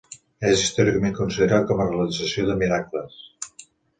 És històricament considerat com a realitzador de miracles.